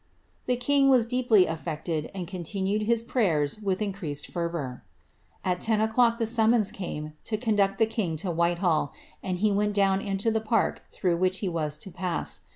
The king wa deeply affected, and continued his prayers with increased fervour. At ten o'clock the summons came to conduct the king to Whitehall and he went down into the park tiirough which he was to pass.